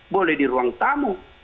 boleh di ruang tamu